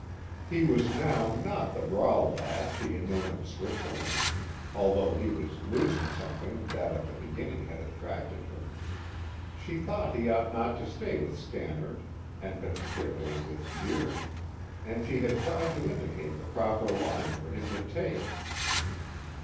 He was now not the raw lad she had known in Switzerland, although he was losing something that at the beginning had attracted her. She thought he ought not to stay with Stannard and particularly with Deering, and she had tried to indicate the proper line for him to take.